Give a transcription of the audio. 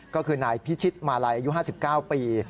ก็คือนายพิชิตมาลัยอายุ๕๙ปี